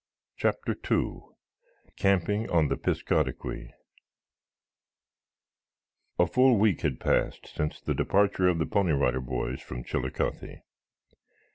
CHAPTER II CAMPING ON THE PISCATAQUI A full week had passed since the departure of the Pony Rider Boys from Chillicothe.